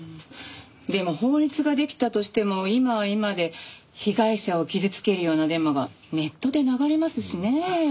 でも法律ができたとしても今は今で被害者を傷つけるようなデマがネットで流れますしね。